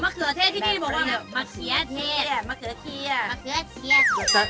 อ๋อมะเขือเทศที่ที่นี่บอกว่ามะเขือเทศ